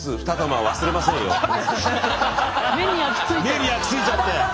目に焼きついちゃって。